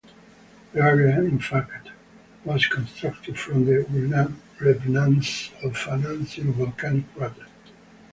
The area, in fact, was constructed from the remnants of an ancient volcanic crater.